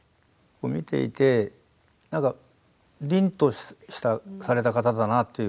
見ていて、なんかりんとされた方だなという。